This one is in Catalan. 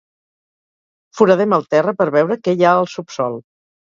Foradem el terra per veure què hi ha al subsòl.